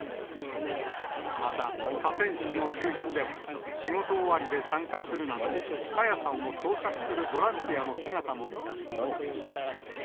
また河川敷の周辺では、仕事終わりで参加するなど、朝芽さんを捜索するボランティアの姿も見られます。